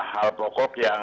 hal yang akan diperolehkan